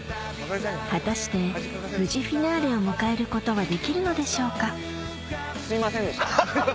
果たして無事フィナーレを迎えることはできるでしょうかハハハハ！